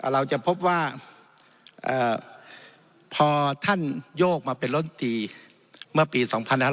เราจะพบว่าพอท่านโยกมาเป็นรัฐมนตรีเมื่อปี๒๕๕๙